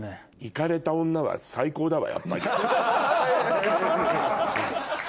イカれた女は最高だわやっぱり。